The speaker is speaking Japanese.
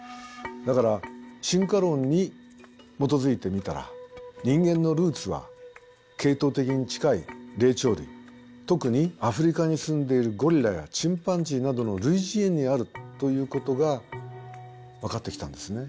だから「進化論」に基づいてみたら人間のルーツは系統的に近い霊長類特にアフリカに住んでいるゴリラやチンパンジーなどの類人猿にあるということが分かってきたんですね。